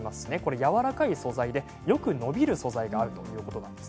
やわらかい素材でよく伸びる素材ということです。